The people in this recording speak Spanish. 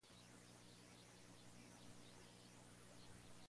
Datos de la Ley Federal No Miedo